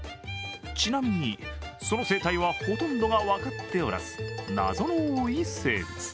ちなみに、その生態はほとんどが分かっておらず謎の多い生物。